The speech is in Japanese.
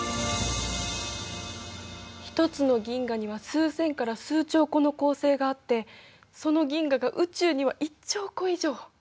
１つの銀河には数千から数兆個の恒星があってその銀河が宇宙には１兆個以上！